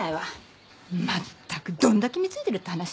まったくどんだけ貢いでるって話よ。